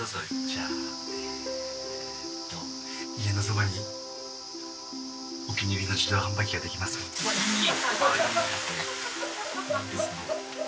じゃあねえっと家のそばにお気に入りの自動販売機ができますように。ああいいですね。